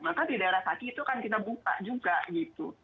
maka di daerah kaki itu akan kita buka juga gitu